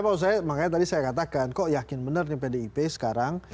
maksud saya makanya tadi saya katakan kok yakin benar nih pdip sekarang